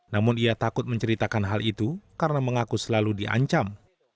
namun ia takut menceritakan hal itu karena mengaku selalu diancam